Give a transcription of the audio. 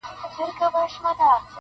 زه ملنګ عبدالرحمن وم -